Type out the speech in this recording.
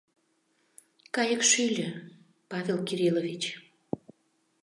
— Кайык шӱльӧ, Павел Кириллович.